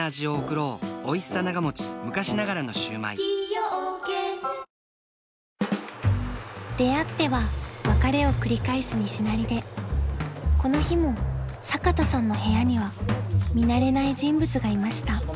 明治おいしい牛乳［出会っては別れを繰り返す西成でこの日も坂田さんの部屋には見慣れない人物がいました］